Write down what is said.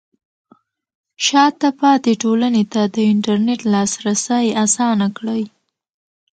شاته پاتې ټولنې ته د انټرنیټ لاسرسی اسانه کړئ.